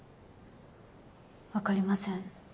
分かりません。